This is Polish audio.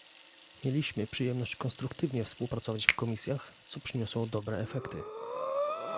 Mieliśmy przyjemność konstruktywnie współpracować w komisjach, co przyniosło dobre efekty